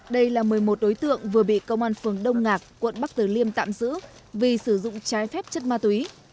đây là một mươi một đối tượng vừa bị công an phường đông ngạc quận bắc tử liêm tạm giữ vì sử dụng trái phép chất ma túy